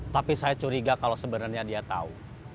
tapi saya curiga kalau sebenarnya dia tahu